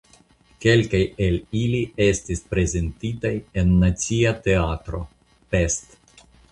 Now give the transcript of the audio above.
Kelkaj el ili estis prezentitaj en Nacia Teatro (Pest).